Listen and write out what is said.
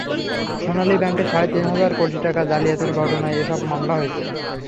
সোনালী ব্যাংকের সাড়ে তিন হাজার কোটি টাকা জালিয়াতির ঘটনায় এসব মামলা হয়েছে।